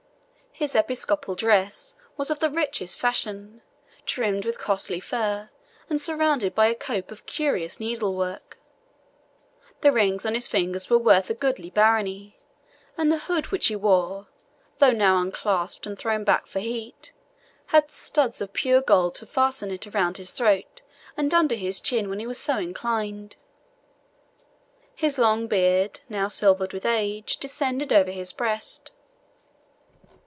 His episcopal dress was of the richest fashion, trimmed with costly fur, and surrounded by a cope of curious needlework. The rings on his fingers were worth a goodly barony, and the hood which he wore, though now unclasped and thrown back for heat, had studs of pure gold to fasten it around his throat and under his chin when he so inclined. His long beard, now silvered with age, descended over his breast.